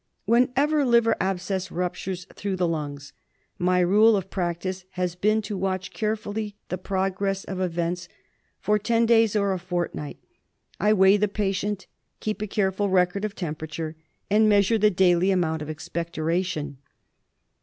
Whenever liver abscess ruptures through the lungs, my rule of practice has been to watch carefully the progress of events for ten days or a fortnight. I weigh the patient, keep a careful record of temperature, and measure the daily amount of expectoration.